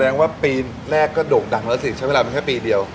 ว่าปีแรกก็โด่งดังแล้วสิใช้เวลาไปแค่ปีเดียว